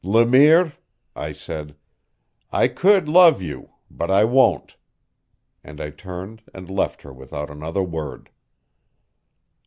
"Le Mire," I said, "I could love you, but I won't." And I turned and left her without another word.